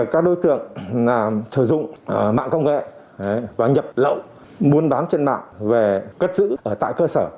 các đối tượng sử dụng mạng công nghệ và nhập lộng muốn bán trên mạng về cất giữ tại cơ sở